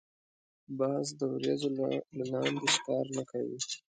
باز د وریځو له لاندی ښکار نه کوي